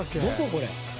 これ。